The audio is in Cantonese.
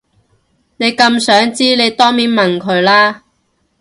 你咁想知你當面問佢啦